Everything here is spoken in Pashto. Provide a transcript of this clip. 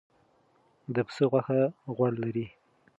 د پسه غوښه غوړ لري.